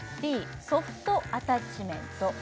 ＢソフトアタッチメントＣ